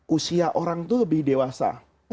usia orang itu lebih dewasa